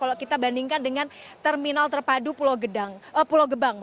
ditingkat dengan terminal terpadu pulau gebang